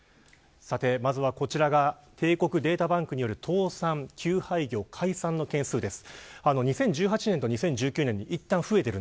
まずは、こちらが帝国データバンクによる倒産、休廃業、解散の件数です。